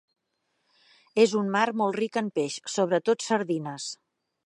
És un mar molt ric en peix, sobretot sardines.